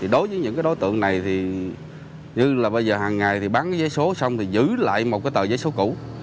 đối với những đối tượng này thì như là bây giờ hàng ngày bán vé số xong thì giữ lại một tờ vé số cũ